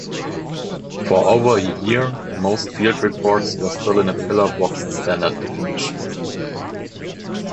For over a year, most field reports were still in pillarboxed standard definition.